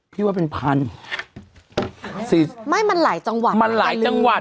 พี่ว่าเป็นพันสิบไม่มันหลายจังหวัดมันหลายจังหวัด